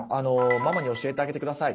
ママに教えてあげて下さい。